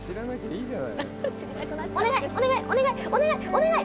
お願い！